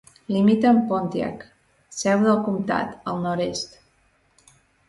Limita amb Pontiac, seu del comtat, al nord-est.